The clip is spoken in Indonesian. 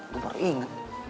gue baru inget